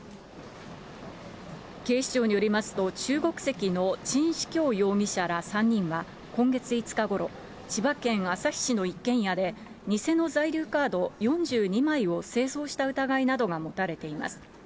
警視庁によりますと、中国籍の沈志強容疑者ら３人は、今月５日ごろ、千葉県旭市の一軒家で、偽の在留カード４２枚を製造した疑いなどが持たれています。